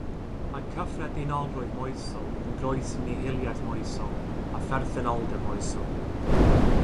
Mae cyffredinolrwydd moesol yn groes i nihiliaeth moesol a pherthynoldeb moesol.